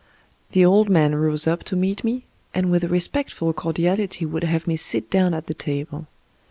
The old man rose up to meet me, and with a respectful cordiality would have me sit down at the table.